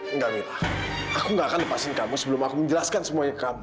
enggak mila aku gak akan lepasin kamu sebelum aku menjelaskan semuanya kamu